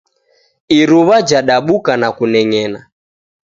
Iruwa jadabuka na kuneng'ena